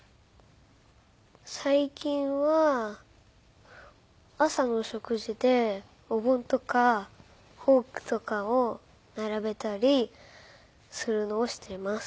最近は朝の食事でお盆とかフォークとかを並べたりするのをしています。